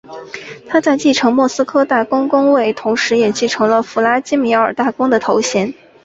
他在继承莫斯科大公公位同时也继承了弗拉基米尔大公的头衔。